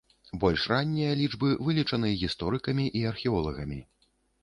Больш раннія лічбы вылічаны гісторыкамі і археолагамі.